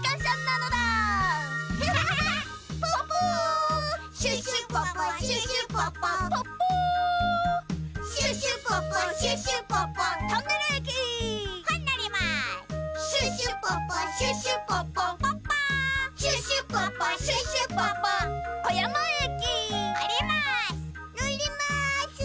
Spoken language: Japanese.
のります！